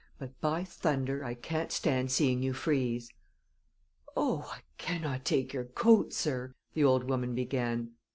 But, by thunder! I can't stand seeing you freeze!" "Oh, I cannot take your coat, sir," the old woman began.